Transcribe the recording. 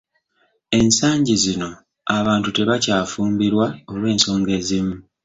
Ensangi zino abantu tebakyafumbirwa olw'ensonga ezimu.